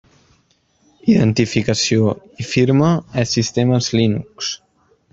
Identificació i firma és sistemes Linux.